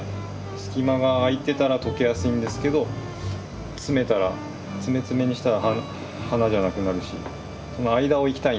隙間が空いてたら溶けやすいんですけど詰めたら詰め詰めにしたら花じゃなくなるしその間をいきたいんで。